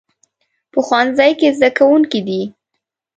په ښوونځي کې زده کوونکي دي